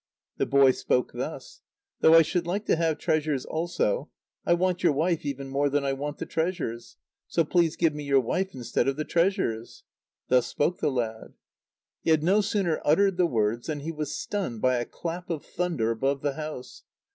The boy spoke thus: "Though I should like to have treasures also, I want your wife even more than I want the treasures; so please give me your wife instead of the treasures." Thus spoke the lad. He had no sooner uttered the words than he was stunned by a clap of thunder above the house.